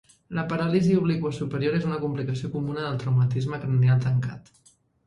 La paràlisi obliqua superior és una complicació comuna del traumatisme cranial tancat.